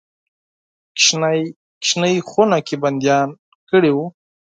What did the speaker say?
کوچنۍ خونه کې بندیان کړي دي.